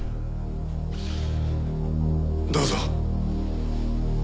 どうぞ。